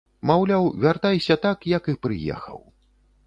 Маўляў, вяртайся так, як і прыехаў.